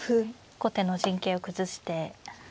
後手の陣形を崩して。